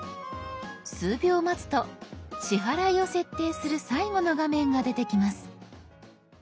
数秒待つと支払いを設定する最後の画面が出てきます。